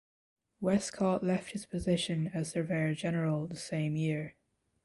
Westcott left his position as surveyor general the same year.